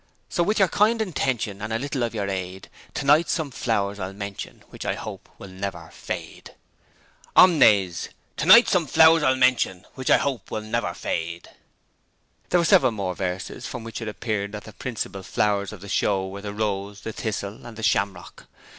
So with your kind intention and a little of your aid, Tonight some flowers I'll mention which I hope will never fade.' Omnes: To night some flowers I'll mention which I hope will never fade.' There were several more verses, from which it appeared that the principal flowers in the Show were the Rose, the Thistle and the Shamrock.